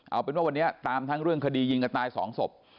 เอาเป็นว่าวันนี้ตามทั้งเรื่องคดียิงกันตายสองศพ